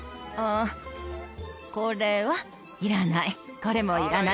これもいらない